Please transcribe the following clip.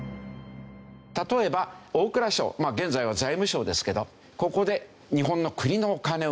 例えば大蔵省現在は財務省ですけどここで日本の国のお金を動かす。